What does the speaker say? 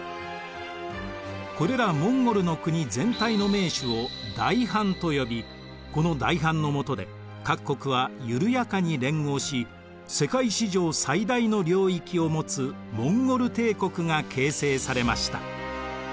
これらモンゴルの国全体の盟主を大ハンと呼びこの大ハンのもとで各国はゆるやかに連合し世界史上最大の領域を持つモンゴル帝国が形成されました。